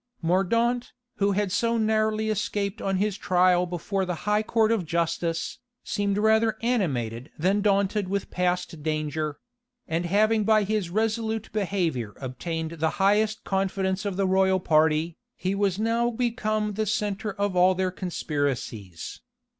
Mordaunt, who had so narrowly escaped on his trial before the high court of justice, seemed rather animated than daunted with past danger; and having by his resolute behavior obtained the highest confidence of the royal party, he was now become the centre of all their conspiracies.